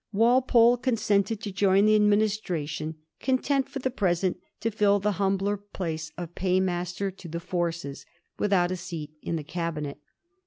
Walpole consented to join the administration, content for the present to fill the humble place of paymaster to the forces, without a seat in the Cabinet.